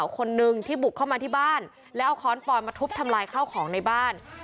คุณที่จะหลุมของกัน